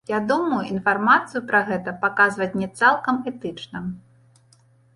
Я думаю, інфармацыю пра гэта паказваць не цалкам этычна.